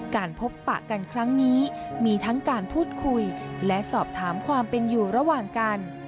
การพบปะกันครั้งนี้มีทั้งการพูดคุยและสอบถามความเป็นอยู่ระหว่างกัน